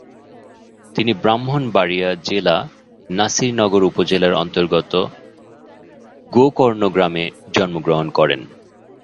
তিনি ব্রাহ্মণবাড়ীয়া জেলা, নাসিরনগর উপজেলার অন্তর্গত গোকর্ণ গ্রামে জন্মগ্রহণ করেন।